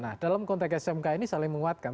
nah dalam konteks smk ini saling menguatkan